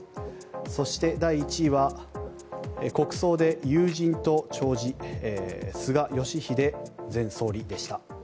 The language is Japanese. そして、第１位は国葬で友人として弔辞菅義偉前総理でした。